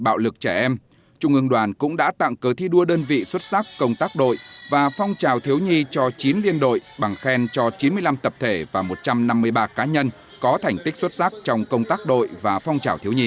bạo lực trẻ em trung ương đoàn cũng đã tặng cớ thi đua đơn vị xuất sắc công tác đội và phong trào thiếu nhi cho chín liên đội bằng khen cho chín mươi năm tập thể và một trăm năm mươi ba cá nhân có thành tích xuất sắc trong công tác đội và phong trào thiếu nhi